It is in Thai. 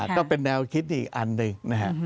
ก็เป็นแนวคิดอีกอันหนึ่งนะฮะ